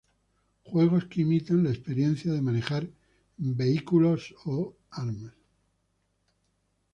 Juegos que imitan la "experiencia" de manejar vehículos o armas.